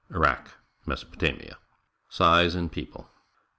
IRAQ (MESOPOTAMIA)'r^^ Size and People.